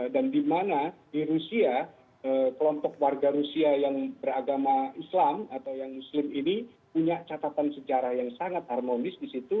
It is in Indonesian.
dan di mana di rusia kelompok warga rusia yang beragama islam atau yang muslim ini punya catatan sejarah yang sangat harmonis di situ